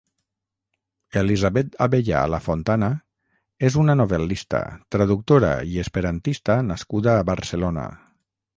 Elisabet Abeyà Lafontana és una novel·lista, traductora i esperantista nascuda a Barcelona.